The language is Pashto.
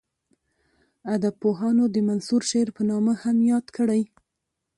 ادبپوهانو د منثور شعر په نامه هم یاد کړی.